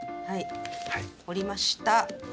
はい折りました。